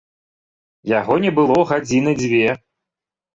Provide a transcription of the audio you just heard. Яго не было гадзіны дзве.